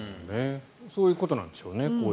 そういうことなんでしょうね。